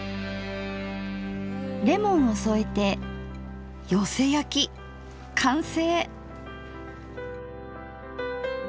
レモンを添えてよせ焼き完成！